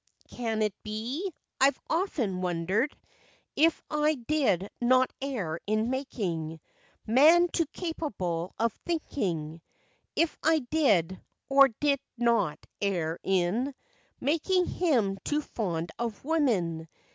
* Can it be, I 've often wondered, If I did not err in making Man too capable of thinking; If I did, or did not, err in Making him too fond of women